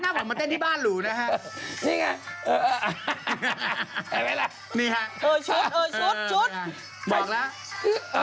น่าเหมือนเต้นที่บ้านหรูนะฮะ